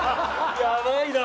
やばいな！